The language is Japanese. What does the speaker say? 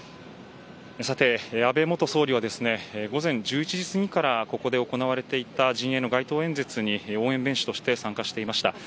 安倍元総理は午前１１時すぎからここで行われていた陣営の街頭演説に参加していました。